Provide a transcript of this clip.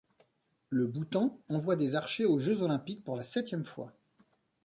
Le Bhoutan envoie des archers aux Jeux olympiques pour la septième fois.